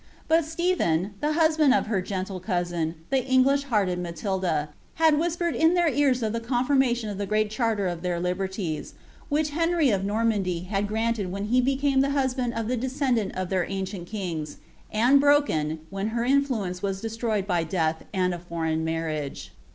But Stephen, the husband of her gentli* cousin, the English hearted Matilda, had whispered in their ears of the con firmatioo of the great charter of their liberties, which Henry of Normandy had granted when he became the husband of the descendant of their an cient kings, and broken, when her influence was destroyed by death and I foreign marriage.